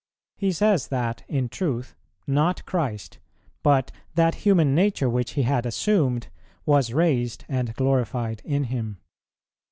He says that, in truth, not Christ, but that human nature which He had assumed, was raised and glorified in Him.